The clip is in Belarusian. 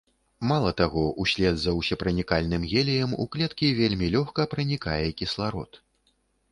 Мала таго, услед за ўсепранікальным геліем у клеткі вельмі лёгка пранікае кісларод.